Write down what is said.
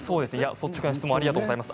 率直な質問ありがとうございます。